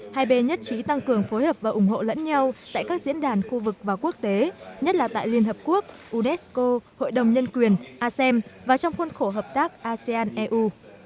hai bên nhất trí tăng cường phối hợp và ủng hộ lẫn nhau tại các diễn đàn khu vực và quốc tế nhất là tại liên hợp quốc unesco hội đồng nhân quyền asem và trong khuôn khổ hợp tác asean eu